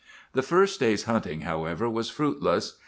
"The first day's hunting, however, was fruitless.